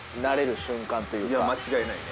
いや間違いないね。